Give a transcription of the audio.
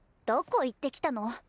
どこ行ってきたの？